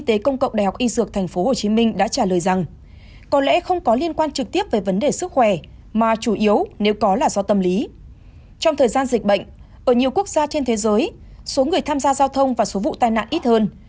trong thời gian dịch bệnh ở nhiều quốc gia trên thế giới số người tham gia giao thông và số vụ tai nạn ít hơn